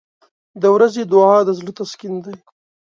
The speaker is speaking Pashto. • د ورځې دعا د زړه تسکین دی.